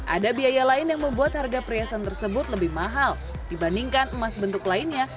ada biaya lain yang membuat harga perhiasan tersebut lebih mahal dibandingkan emas bentuk lainnya